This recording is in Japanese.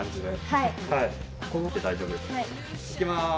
いきます。